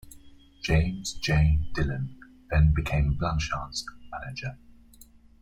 James J. Dillon then became Blanchard's manager.